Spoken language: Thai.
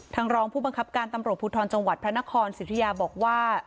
รองผู้บังคับการตำรวจภูทรจังหวัดพระนครสิทธิยาบอกว่า